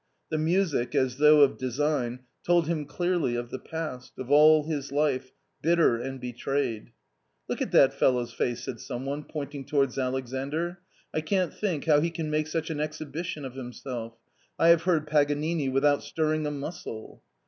The music, as though of design, told him clearly of the past, of all his life, bitter and betrayed. " Look at that fellow's face !" said some one, pointing towards Alexandr ;" I can't think how he can make such an exhibition of himself; I have heard Paganini without stirring a muscle."